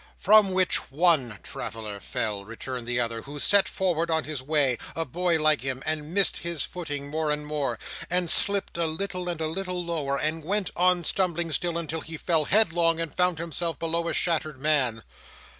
"From which ONE traveller fell," returned the other, "who set forward, on his way, a boy like him, and missed his footing more and more, and slipped a little and a little lower; and went on stumbling still, until he fell headlong and found himself below a shattered man.